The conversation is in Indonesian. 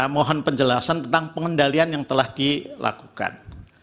mohon penjelasan tentang pengendalian yang telah dilakukan